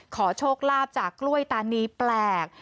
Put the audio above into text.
ขอโชคลาภจากกล้วยตานีแปลก